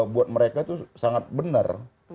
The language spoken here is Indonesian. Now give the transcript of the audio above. buat mereka itu sangat benar